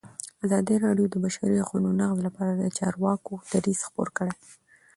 ازادي راډیو د د بشري حقونو نقض لپاره د چارواکو دریځ خپور کړی.